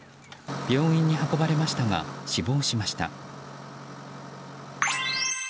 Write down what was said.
病院に運ばれましたが死亡しました。